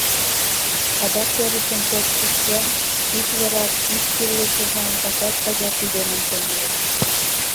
Адак, терысым чот кышкен, ик вереак ик тӱрлӧ шурным пачаш-пачаш ӱден ончен улыт.